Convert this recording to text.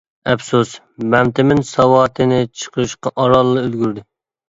ئەپسۇس، مەمتىمىن ساۋاتىنى چىقىرىشقا ئارانلا ئۈلگۈردى.